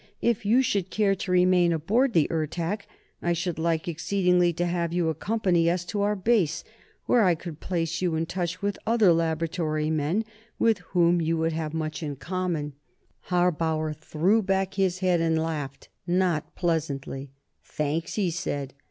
If you should care to remain aboard the Ertak, I should like exceedingly to have you accompany us to our Base, where I could place you in touch with other laboratory men, with whom you would have much in common." Harbauer threw back his head and laughed not pleasantly. "Thanks!" he said.